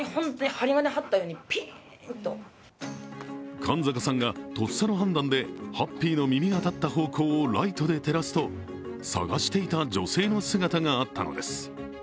勘坂さんがとっさの判断でハッピーの耳が立った方向をライトで照らすと捜していた女性の姿があったのです。